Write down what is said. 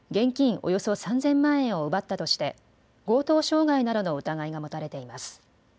およそ３０００万円を奪ったとして強盗傷害などの疑いが持たれています。